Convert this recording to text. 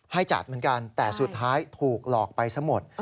ให้จัดเหมือนกันแต่สุดท้ายถูกหลอกไปซะหมด